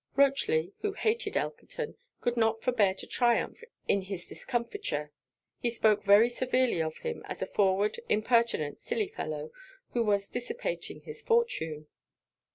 Rochely, who hated Elkerton, could not forbear to triumph in this discomfiture. He spoke very severely of him as a forward, impertinent, silly fellow, who was dissipating his fortune.